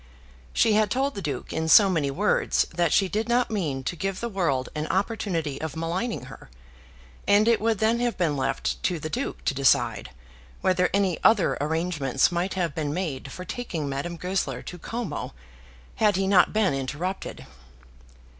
She had told the Duke in so many words that she did not mean to give the world an opportunity of maligning her, and it would then have been left to the Duke to decide whether any other arrangements might have been made for taking Madame Goesler to Como, had he not been interrupted.